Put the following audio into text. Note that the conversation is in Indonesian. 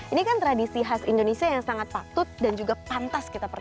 ini kan tradisi khas indonesia yang sangat patut dan juga pantas kita perhati